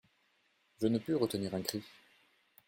«Je ne pus retenir un cri.